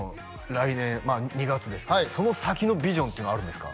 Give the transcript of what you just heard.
来年まあ２月ですけどその先のビジョンっていうのはあるんですか？